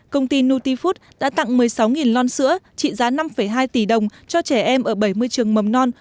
công ty nutifood đã tặng một mươi sáu lon sữa trị giá năm hai tỷ đồng cho trẻ em ở bảy mươi trường mầm non